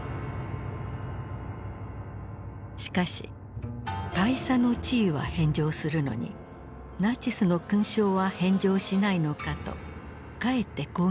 しかし大佐の地位は返上するのにナチスの勲章は返上しないのかとかえって攻撃が激化した。